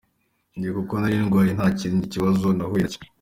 Njye kuko nari ndwaye nta kindi kibazo nahuye nacyo”